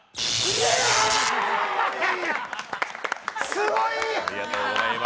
すごいー！